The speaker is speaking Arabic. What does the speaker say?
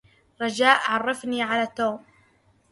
رجاء عرفني على توم.